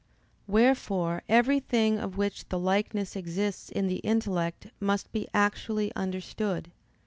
Wherefore every thing of which the likeness exists in the intellect must be actually understood.